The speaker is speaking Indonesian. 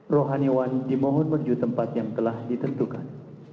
rohanewan dimohon berju tempat yang telah ditentukan